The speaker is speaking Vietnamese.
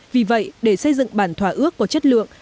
vì vậy để xây dựng bản thỏa ước có chất lượng